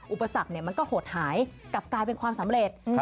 อุปสรรคมันก็หดหายกลับกลายเป็นความสำเร็จ